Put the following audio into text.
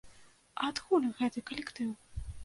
А адкуль гэты калектыў?